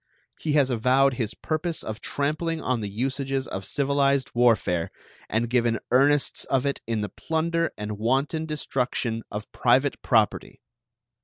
He has avowed his purpose of trampling on the usages of civilized warfare, and given earnests of it in the plunder and wanton destruction of private property.